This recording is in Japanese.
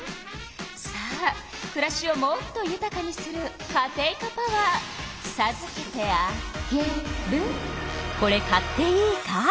さあくらしをもっとゆたかにするカテイカパワーさずけてあげる。